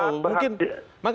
oh berhak berhak